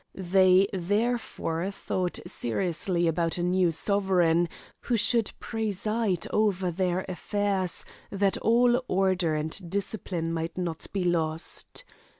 They therefore thought seriously about a new sovereign who should preside over their affairs, that all order and discipline might not be lost.